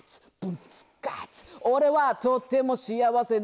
「俺はとっても幸せだ」